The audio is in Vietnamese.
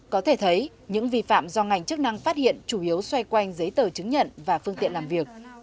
có thể thấy những vi phạm do ngành chức năng phát hiện chủ yếu xoay quanh giấy tờ chứng nhận và phương tiện làm việc